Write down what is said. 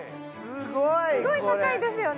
すごい高いですよね。